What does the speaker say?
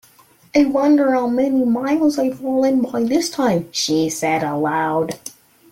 ‘I wonder how many miles I’ve fallen by this time?’ she said aloud.